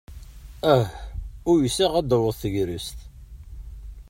Ah! Uysaɣ ad taweḍ tegrest.